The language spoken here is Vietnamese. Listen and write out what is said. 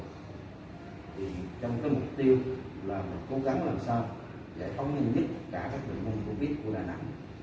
thì trong cái mục tiêu là cố gắng làm sao giải phóng nhanh nhất cả các bệnh nhân covid của đà nẵng